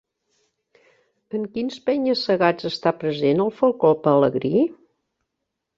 En quins penya-segats està present el falcó pelegrí?